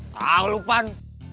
tau lu pan